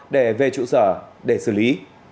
để về trụ sở để xử lý